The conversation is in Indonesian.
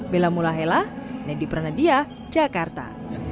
bela mulahela nedi pranadiah jakarta